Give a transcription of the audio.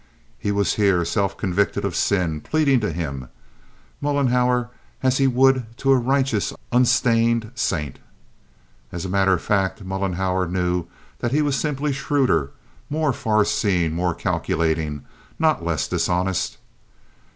He was here, self convicted of sin, pleading to him, Mollenhauer, as he would to a righteous, unstained saint. As a matter of fact, Mollenhauer knew that he was simply shrewder, more far seeing, more calculating, not less dishonest.